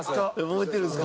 覚えてるんですか？